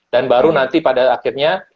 dan baru nanti pada akhirnya